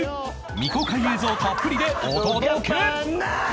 未公開映像たっぷりでお届け！